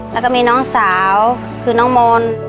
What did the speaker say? แล้วก็มีน้องสาวคือน้องมนต์